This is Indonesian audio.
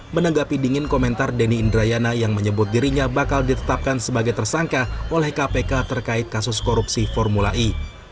menanggapi dingin komentar denny indrayana yang menyebut dirinya bakal ditetapkan sebagai tersangka oleh kpk terkait kasus korupsi formula e